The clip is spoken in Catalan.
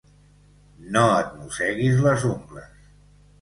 No et mosseguis les ungles.